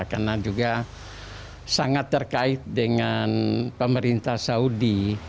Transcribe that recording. karena juga sangat terkait dengan pemerintah saudi